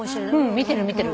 見てる見てる。